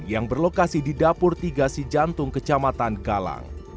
yang berlokasi di dapur tiga si jantung kecamatan galang